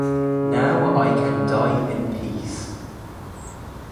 Now I can die in peace.